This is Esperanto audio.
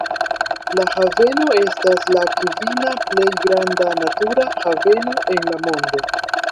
La haveno estas la kvina plej granda natura haveno en la mondo.